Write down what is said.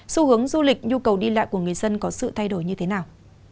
xu hướng du lịch nhu cầu đi lại của người dân có sự thay đổi như thế nào